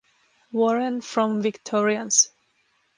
Warren from Victorians.